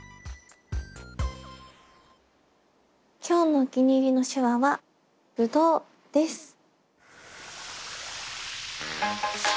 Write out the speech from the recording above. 今日のお気に入りの手話は「ぶどう」です。